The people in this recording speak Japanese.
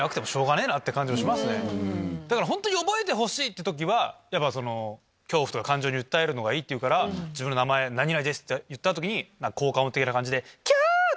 だから本当に覚えてほしい！って時は恐怖とか感情に訴えるのがいいっていうから自分の名前何々です！って言った時効果音的な感じでキャ！と